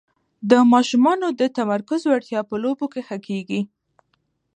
د ماشومانو د تمرکز وړتیا په لوبو کې ښه کېږي.